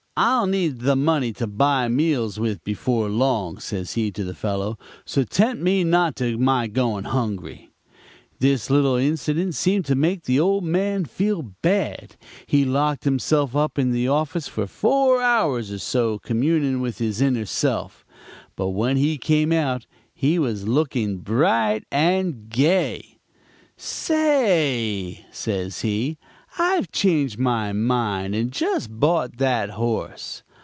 "'I'll need the money to buy meals with before long,' says he to the fellow, 'so tempt me not to my going hungry.' "This little incident seemed to make the old man feel bad; he locked himself up in the office for four hours or so communing with his inner self; but when he came out he was looking bright and gay. "'Say,' says he, 'I've changed my mind and just bought that horse.'